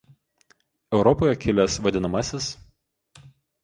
Europoje kilęs vad.